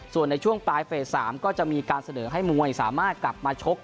ส่วนในช่วงปลายเฟส๓ก็จะมีการเสนอให้มวยสามารถกลับมาชก